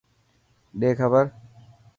ڏي کبر.